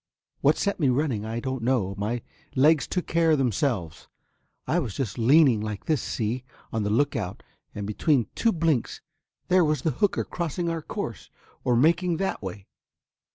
What set me running I don't know, my legs took care of themselves I was just leaning like this, see, on the look out and between two blinks there was the hooker crossing our course or making that way.